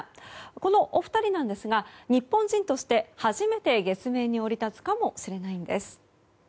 このお二人ですが日本人として初めて月面に降り立つかもしれないんです。